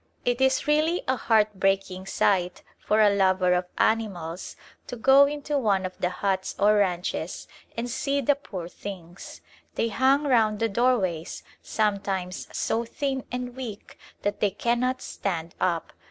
It is really a heartbreaking sight for a lover of animals to go into one of the huts or ranches and see the poor things. They hang round the doorways, sometimes so thin and weak that they cannot stand up.